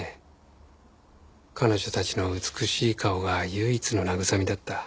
彼女たちの美しい顔が唯一の慰みだった。